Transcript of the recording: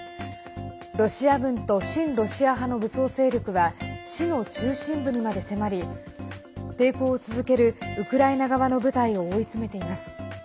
ロシア軍と親ロシア派の武装勢力は市の中心部にまで迫り抵抗を続けるウクライナ側の部隊を追い詰めています。